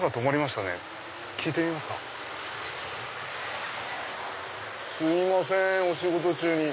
すみませんお仕事中に。